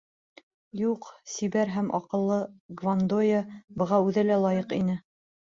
Юҡ, сибәр һәм аҡыллы Гвандоя быға үҙе лә лайыҡ ине.